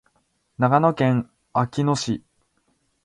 長野県安曇野市